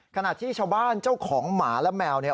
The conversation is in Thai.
ขณะที่ชาวบ้านเจ้าของหมาและแมวเนี่ย